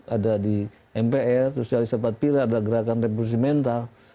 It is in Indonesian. ada di mpr sosialisasi empat pilih ada gerakan represi mental